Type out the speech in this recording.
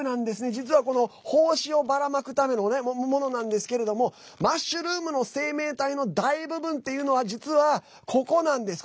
実は胞子をばらまくためのものなんですけれどもマッシュルームの生命体の大部分っていうのは実は、ここなんです。